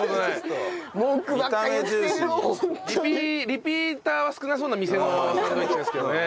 リピーターは少なそうな店のサンドイッチですけどね。